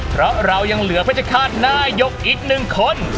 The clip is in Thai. เพราะเรายังเหลือเพื่อจะฆ่าหน้ายกอีกหนึ่งคน